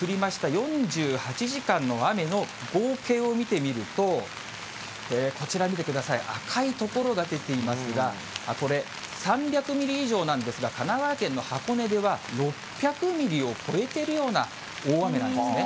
４８時間の雨の合計を見てみると、こちら見てください、赤い所が出ていますが、これ、３００ミリ以上なんですが、神奈川県の箱根では、６００ミリを超えているような大雨なんですね。